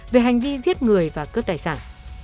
về hành vi giết người và cướp đài sản